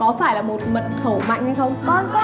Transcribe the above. một hai ba bốn năm sáu có phải là một mật khẩu mạnh hay không